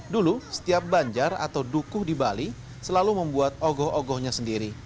dulu setiap banjar atau dukuh di bali selalu membuat ogoh ogohnya sendiri